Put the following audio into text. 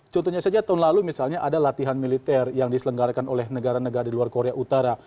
contohnya saja tahun lalu misalnya ada latihan militer yang diselenggarakan oleh negara negara di luar korea utara